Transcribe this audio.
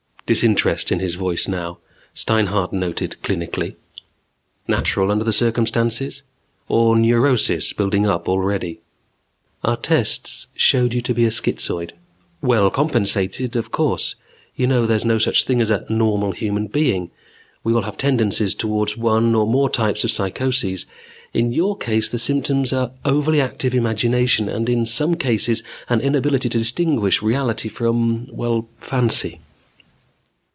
Disinterest in his voice now, Steinhart noted clinically. Natural under the circumstances? Or neurosis building up already? "Our tests showed you to be a schizoid well compensated, of course. You know there's no such thing as a normal human being. We all have tendencies toward one or more types of psychoses. In your case the symptoms are an overly active imagination and in some cases an inability to distinguish reality from well, fancy."